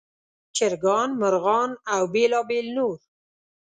چرګان، مرغان او بېلابېل نور.